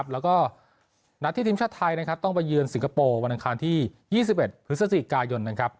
แล้วทีมชาติไทยต้องไปเยือนสิงคโปร์วันทางที่๒๑พฤศจิกายน